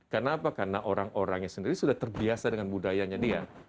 karena apa karena orang orangnya sendiri sudah terbiasa dengan budayanya dia